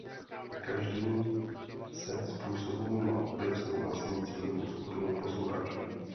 Každý se způsobů má opět svou vlastní cílovou skupinu posluchačů.